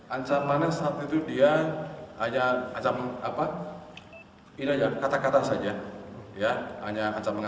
ancamannya saat itu dia hanya kata kata saja